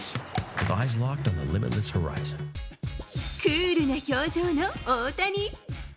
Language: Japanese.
クールな表情の大谷。